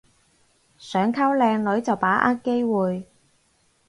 想溝靚女就把握機會